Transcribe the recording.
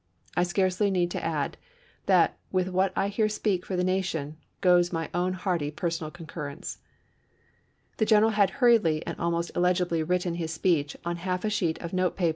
I scarcely need to add that with what I here speak for the nation, goes ^*SM.^^ my own hearty personal concurrence." The general had hurriedly and almost illegibly wi'itten his speech on half of a sheet of note paper in lead 1 J. G.